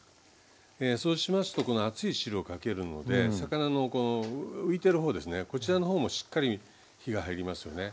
そうしますとこの熱い汁をかけるので魚のこの浮いてる方ですねこちらの方もしっかり火が入りますよね。